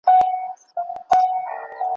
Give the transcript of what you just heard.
له پاڼو تشه ده ویجاړه ونه